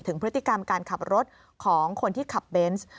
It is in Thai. พฤติกรรมการขับรถของคนที่ขับเบนส์